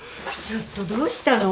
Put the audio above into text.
ちょっとどうしたの？